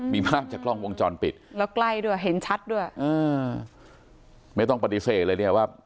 มีภาพจากกล้องวงจรปิดแล้วใกล้ด้วยเห็นชัดด้วยอ่าไม่ต้องปฏิเสธเลยเนี่ยว่า